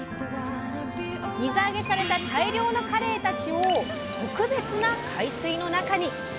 水揚げされた大量のカレイたちを特別な海水の中に！